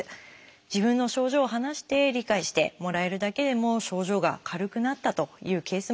自分の症状を話して理解してもらえるだけでも症状が軽くなったというケースもたくさんあります。